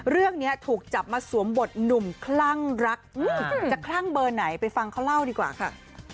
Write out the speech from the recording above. เรื่องนี้ถูกจับมาสวมบทหนุ่มคลั่งรักจะคลั่งเบอร์ไหนไปฟังเขาเล่าดีกว่าค่ะ